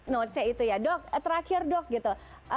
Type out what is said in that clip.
not saya itu ya dok terakhir dok gitu